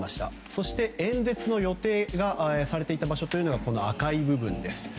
そして、演説の予定がされていた場所が赤い部分です。